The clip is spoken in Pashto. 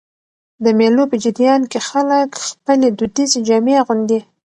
د مېلو په جریان کښي خلک خپلي دودیزي جامې اغوندي.